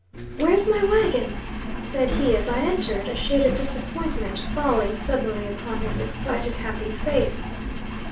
"Where's my wagon?" said he, as I entered, a shade of disappointment falling suddenly upon his excited, happy face.